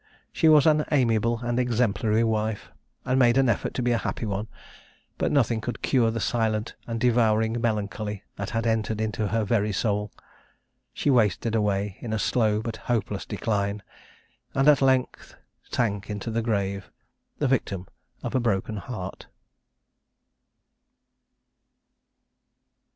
She was an amiable and exemplary wife, and made an effort to be a happy one; but nothing could cure the silent and devouring melancholy that had entered into her very soul. She wasted away in a slow, but hopeless decline; and at length sank into the grave, the victim of a broken heart."